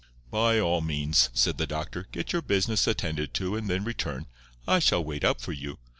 "By all means," said the doctor, "get your business attended to, and then return. I shall wait up for you.